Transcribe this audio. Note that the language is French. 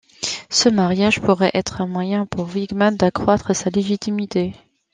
Ce mariage pourrait être un moyen pour Wigmund d'accroître sa légitimité.